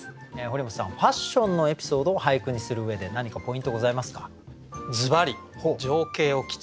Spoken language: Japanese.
堀本さんファッションのエピソードを俳句にする上で何かポイントございますか？